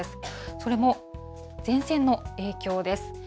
それも前線の影響です。